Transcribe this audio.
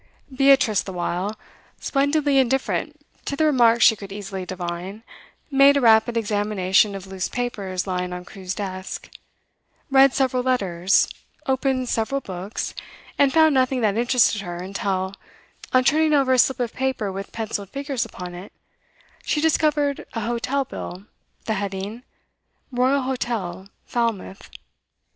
Beatrice, the while, splendidly indifferent to the remarks she could easily divine, made a rapid examination of loose papers lying on Crewe's desk, read several letters, opened several books, and found nothing that interested her until, on turning over a slip of paper with pencilled figures upon it, she discovered a hotel bill, the heading: Royal Hotel, Falmouth.